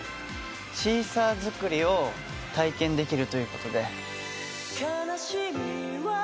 シーサー作りを体験できるということで。